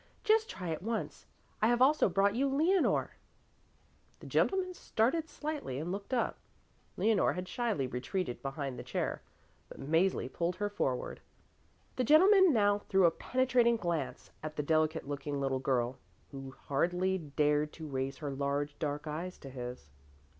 Just try it once! I have also brought you Leonore." The gentleman started slightly and looked up. Leonore had shyly retreated behind the chair, but Mäzli pulled her forward. The gentleman now threw a penetrating glance at the delicate looking little girl, who hardly dared to raise her large, dark eyes to his.